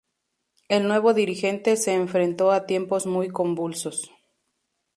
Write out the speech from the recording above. El nuevo dirigente se enfrentó a tiempos muy convulsos.